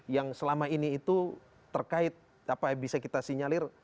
yang selama ini itu terkait apa yang bisa kita sinyalir